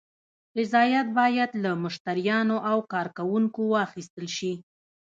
رضایت باید له مشتریانو او کارکوونکو واخیستل شي.